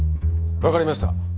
分かりました。